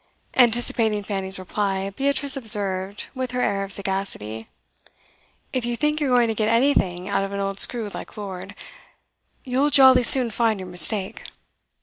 Anticipating Fanny's reply, Beatrice observed, with her air of sagacity: 'If you think you're going to get anything out of an old screw like Lord, you'll jolly soon find your mistake.